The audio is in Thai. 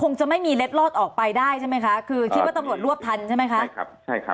คงจะไม่มีเล็ดลอดออกไปใช่ไหมคะคุณคิดว่าตำรวจลวบทันใช่ไหมคะ